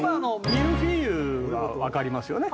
ミルフィーユはわかりますよね？